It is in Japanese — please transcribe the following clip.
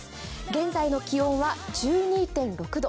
現在の気温は１２．６度